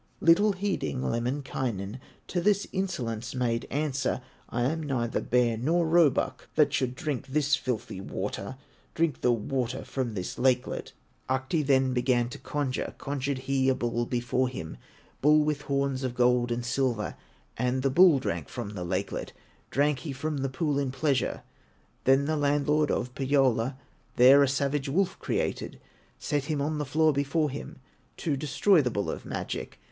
Little heeding, Lemminkainen To this insolence made answer: "I am neither bear nor roebuck, That should drink this filthy water, Drink the water of this lakelet." Ahti then began to conjure, Conjured he a bull before him, Bull with horns of gold and silver, And the bull drank from the lakelet, Drank he from the pool in pleasure. Then the landlord of Pohyola There a savage wolf created, Set him on the floor before him To destroy the bull of magic.